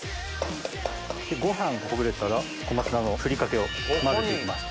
でご飯がほぐれたら小松菜のふりかけを混ぜていきます。